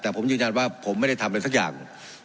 แต่ผมยืนยันว่าผมไม่ได้ทำอะไรสักอย่าง